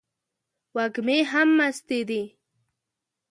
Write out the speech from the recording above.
وږمې هم مستې دي